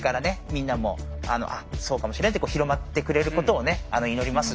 みんなもあっそうかもしれないって広まってくれることを祈ります